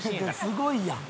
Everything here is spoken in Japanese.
すごいやん。